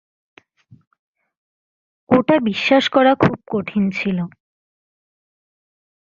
ওটা বিশ্বাস করা খুব কঠিন ছিল।